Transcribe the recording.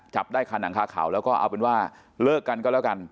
จับได้ค่ะหนังคาเขาแล้วก็เอาเป็นว่าเลิกกันก็แล้วกัน